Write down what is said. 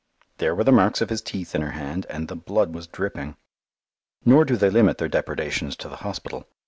There were the marks of his teeth in her hand, and the blood was dripping. Nor do they limit their depredations to the hospital.